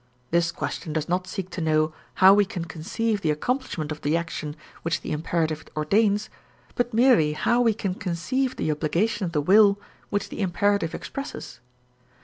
This question does not seek to know how we can conceive the accomplishment of the action which the imperative ordains, but merely how we can conceive the obligation of the will which the imperative expresses.